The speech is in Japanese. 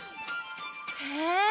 へえ。